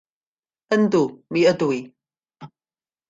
Yndw, mi ydw i.